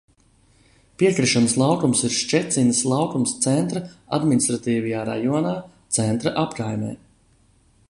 Piekrišanas laukums ir Ščecinas laukums Centra administratīvajā rajonā, Centra apkaimē.